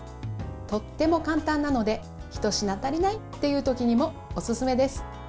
とっても簡単なので１品足りないという時にもおすすめです。